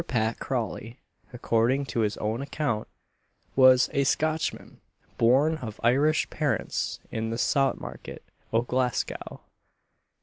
Pat Crawley, according to his own account, was "a Scotchman, born of Irish parents in the Saut market o'Glasgow."